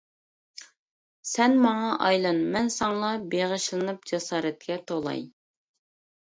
سەن ماڭا ئايلان، مەن ساڭىلا بېغىشلىنىپ جاسارەتكە تولاي.